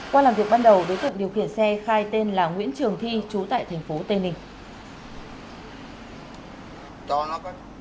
qua làm việc ban đầu đối tượng điều khiển xe khai tên là nguyễn trường thi trú tại thành phố tây ninh